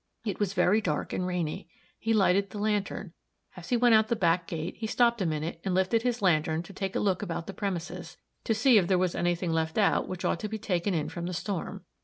It was very dark and rainy. He lighted the lantern. As he went out the back gate, he stopped a minute and lifted his lantern to take a look about the premises, to see if there was any thing left out which ought to be taken in from the storm.